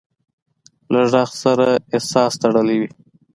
له غږ سره احساس تړلی وي.